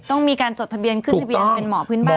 ต้องมีการจดทะเบียนขึ้นทะเบียนเป็นหมอพื้นบ้าน